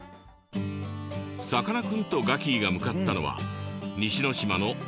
さかなクンとガキィが向かったのは西ノ島のとある入り江。